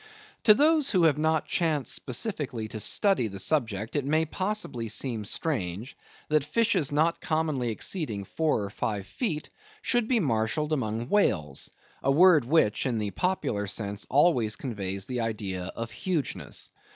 To those who have not chanced specially to study the subject, it may possibly seem strange, that fishes not commonly exceeding four or five feet should be marshalled among WHALES—a word, which, in the popular sense, always conveys an idea of hugeness.